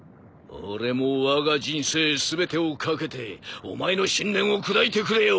俺もわが人生全てを懸けてお前の信念を砕いてくれよう。